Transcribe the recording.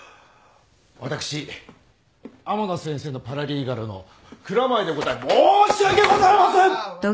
私天野先生のパラリーガルの蔵前でござい申し訳ございません！